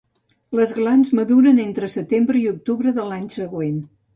Les glans maduren entre setembre i octubre de l'any següent.